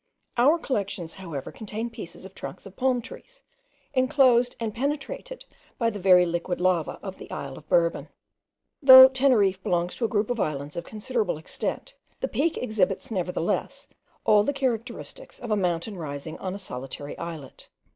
Our collections, however, contain pieces of trunks of palm trees, enclosed and penetrated by the very liquid lava of the isle of Bourbon. Though Teneriffe belongs to a group of islands of considerable extent, the Peak exhibits nevertheless all the characteristics of a mountain rising on a solitary islet.